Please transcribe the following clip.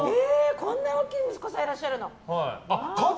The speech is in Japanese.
こんな大きい息子さんいらっしゃるの？